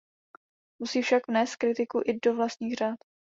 Musím však vznést kritiku i do vlastních řad.